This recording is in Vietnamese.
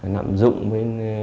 nạm dụng với